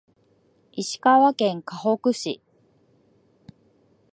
石川県かほく市